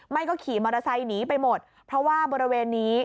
ไม่ก็ขี่มอเตอร์ไซค์หนีไปหมดเพราะว่าบริเวณนี้